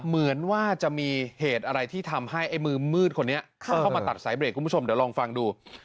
เหมือนว่าจะมีเหตุอะไรที่ทำให้ไอ้มือมืดคนนี้เข้ามาตัดสายเบรกคุณผู้ชมเดี๋ยวลองฟังดู